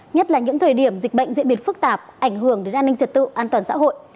nhất là những thời điểm dịch bệnh diễn biến phức tạp ảnh hưởng đến an ninh trật tự an toàn xã hội